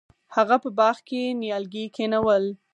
هغه په باغ کې نیالګي کینول.